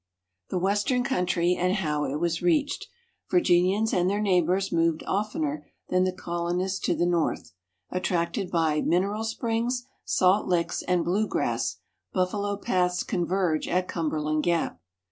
The Western Country and How It was Reached Virginians and their neighbors moved oftener than the colonists to the north. Attracted by "mineral springs," "salt licks" and "blue grass." Buffalo paths converge at Cumberland Gap.